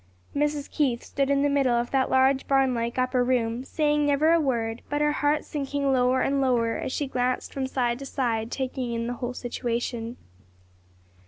Mrs. Keith stood in the middle of that large, barn like upper room, saying never a word, but her heart sinking lower and lower as she glanced from side to side taking in the whole situation.